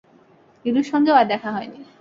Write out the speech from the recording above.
নীলুর সঙ্গেও আর দেখা হয়নি।